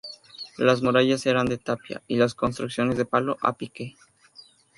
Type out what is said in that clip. Las murallas eran de tapia y las construcciones de palo a pique.